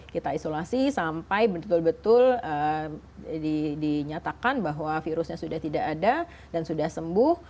kita isolasi sampai betul betul dinyatakan bahwa virusnya sudah tidak ada dan sudah sembuh